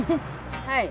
はい。